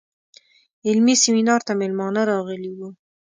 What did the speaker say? علمي سیمینار ته میلمانه راغلي وو.